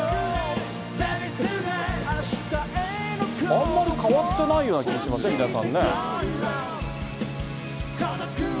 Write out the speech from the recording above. あんまり変わってないような気がしますね、皆さんね。